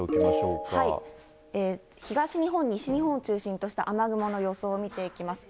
東日本、西日本を中心とした雨雲の予想を見ていきます。